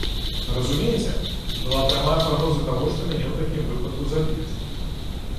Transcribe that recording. Разумееце, была прамая пагроза таго, што мяне ў такім выпадку заб'юць.